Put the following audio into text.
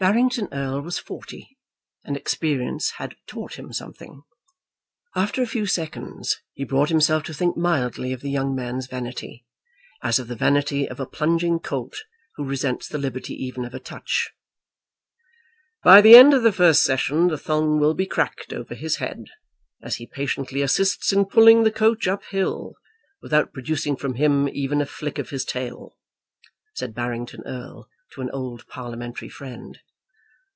Barrington Erle was forty, and experience had taught him something. After a few seconds, he brought himself to think mildly of the young man's vanity, as of the vanity of a plunging colt who resents the liberty even of a touch. "By the end of the first session the thong will be cracked over his head, as he patiently assists in pulling the coach up hill, without producing from him even a flick of his tail," said Barrington Erle to an old parliamentary friend.